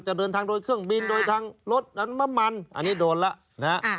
จะเดินทางโดยเครื่องบินโดยทางรถนั้นน้ำมันอันนี้โดนแล้วนะฮะ